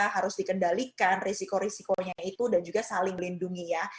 harus dikendalikan risiko risikonya itu dan juga saling lindungi ya